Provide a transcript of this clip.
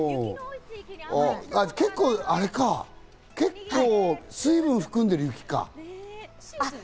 結構あれか、水分を含んでる雪か。